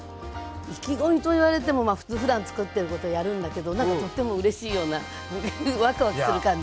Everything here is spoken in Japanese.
意気込みと言われてもまあ普通ふだん作ってることをやるんだけど何かとってもうれしいようなワクワクする感じ。